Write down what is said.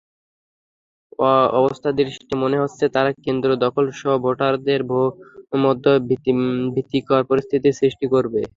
অবস্থাদৃষ্টে মনে হচ্ছে তারা কেন্দ্র দখলসহ ভোটারদের মধ্যে ভীতিকর পরিস্থিতির সৃষ্টি করবে।